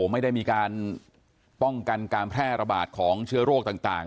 ไม่ได้มีการป้องกันการแพร่ระบาดของเชื้อโรคต่าง